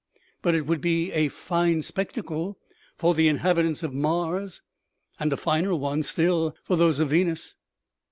" But it would be a fine spectacle for the inhabitants of Mars, and a finer one still for those of Venus.